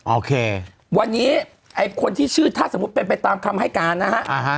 โอเควันนี้ไอ้คนที่ชื่อถ้าสมมุติเป็นไปตามคำให้การนะฮะ